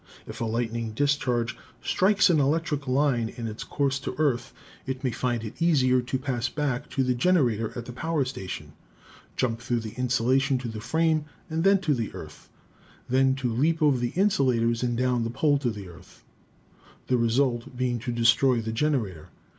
If a lightning discharge strikes an electric line in its course to earth it may find it easier to pass back to the generator at the power station, jump through the insulation to the frame and then to the earth, than to leap over the insulators and down the pole to the earth ; the result being to destroy the generator.